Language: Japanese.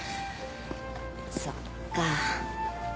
そっか。